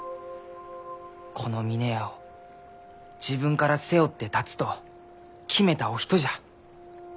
この峰屋を自分から背負って立つと決めたお人じゃ。